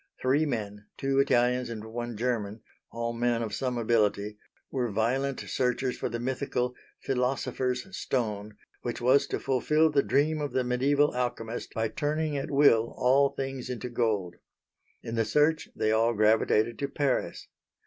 Three men two Italians and one German, all men of some ability were violent searchers for the mythical "philosopher's stone" which was to fulfil the dream of the mediæval alchemist by turning at will all things into gold. In the search they all gravitated to Paris.